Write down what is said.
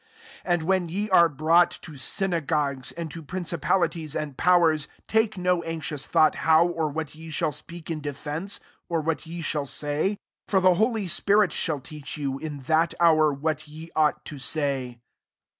1 1 "And when ye are brought to synagogues, and to principa lities and powers, take no anx ious thought how or what ye shall speak in defence, or what ye shall say : 12 for the holy spirit shall teach you, in that hour, what ye ought to say."